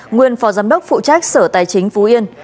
nguyên phó giám đốc phụ trách sở tài chính phú yên